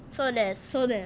そうです。